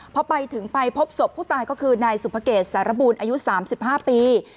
พอไปถึงไปพบศพผู้ตายก็คือนายสุภเกษสารบูลอายุ๓๕ปี